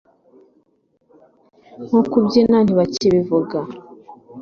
nko kubyina ntibakibivuga